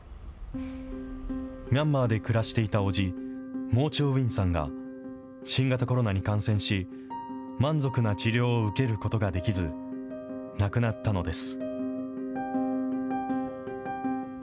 ミャンマーで暮らしていた叔父、モウ・チョウ・ウィンさんが新型コロナに感染し、満足な治療を受けることができず、亡くなったのです。